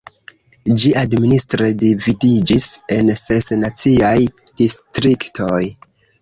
Ĝi administre dividiĝis en ses naciaj distriktoj.